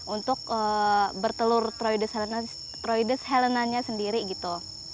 untuk bertelur troides helenannya sendiri gitu